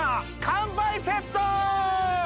乾杯セット！